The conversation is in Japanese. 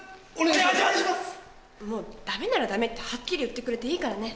もうダメならダメってはっきり言ってくれていいからね。